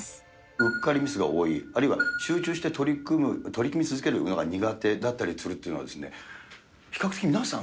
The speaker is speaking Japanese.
うっかりミスが多い、あるいは集中して取り組み続けるのが苦手だったりするっていうのは、比較的皆さん